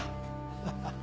ハハハ。